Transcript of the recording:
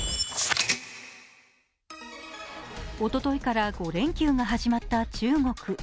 おとといから５連休が始まった中国。